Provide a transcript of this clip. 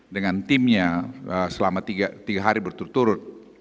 dengan timnya selama tiga hari berturut turut